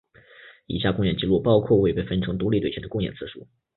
以下公演记录包括未被分成独立队前的公演次数。